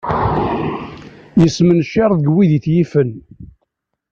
Yesmencir deg wid i t-yifen.